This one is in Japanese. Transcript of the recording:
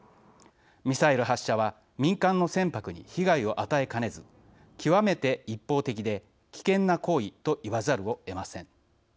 ミサイル発射は民間の船舶に被害を与えかねず極めて一方的で危険な行為と言わざるをえません。